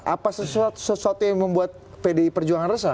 apa sesuatu yang membuat pdi perjuangan resah